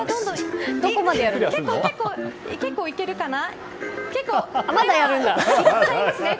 結構いけるかな。